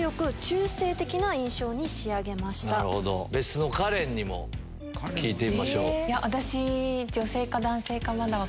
別室のカレンにも聞いてみましょう。